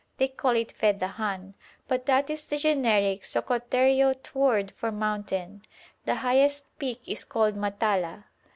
They call it Fedahan, but that is the generic Sokoteriote word for mountain. The highest peak is called Màtala.